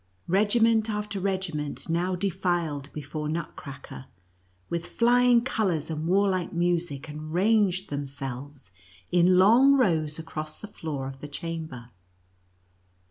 Regiment after regiment now defiled before Nutcracker, with fiying colors and warlike music, and ranged themselves in long rows across the floor of the chamber.